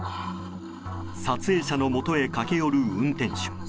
撮影者のもとへ駆け寄る運転手。